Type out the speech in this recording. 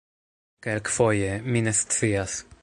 Kelkfoje... mi ne scias...